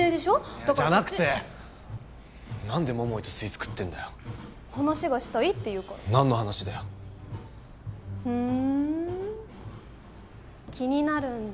だからじゃなくて何で桃井とスイーツ食ってんだよ話がしたいっていうから何の話だよふん気になるんだ